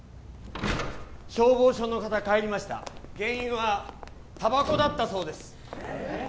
消防署の方帰りました原因はたばこだったそうですえっ！？